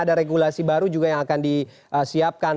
ada regulasi baru juga yang akan disiapkan